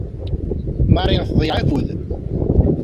Marie tḍeyyeɛ akud.